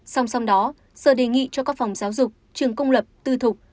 song song đó sở đề nghị cho các phòng giáo dục trường công lập tư thục